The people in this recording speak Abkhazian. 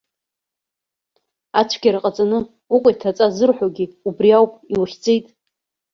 Ацәгьара ҟаҵаны укәа иҭаҵа зырҳәогьы убри ауп, иухьӡеит.